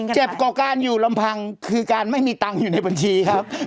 กว่าการอยู่ลำพังคือการไม่มีตังค์อยู่ในบัญชีครับ